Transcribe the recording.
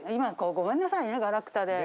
ごめんなさいねがらくたで。